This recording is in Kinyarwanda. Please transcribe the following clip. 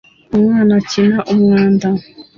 Umwana akina umwanda